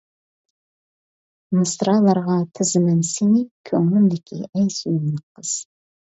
مىسرالارغا تىزىمەن سىنى، كۆڭلۈمدىكى ئەي سۆيۈملۈك قىز.